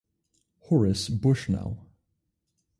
Horace Bushnell.